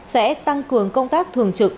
sẽ tăng cường công tác thường trực